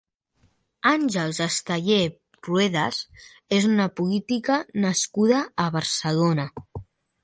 Àngels Esteller Ruedas és una política nascuda a Barcelona.